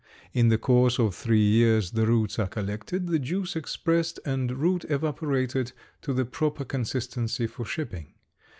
In the course of three years the roots are collected, the juice expressed and root evaporated to the proper consistency for shipping.